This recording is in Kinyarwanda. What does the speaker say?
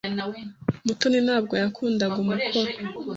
Mutoni ntabwo yakundaga umukoro.